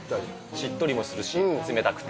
しっとりもするし、冷たくて。